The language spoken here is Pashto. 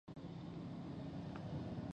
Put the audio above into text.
احمدشاه بابا یو زړور، باتور او مدبر پاچا و.